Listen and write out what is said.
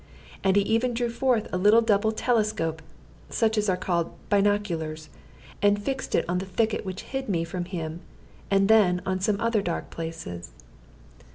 And he even drew forth a little double telescope, such as are called "binoculars," and fixed it on the thicket which hid me from him, and then on some other dark places.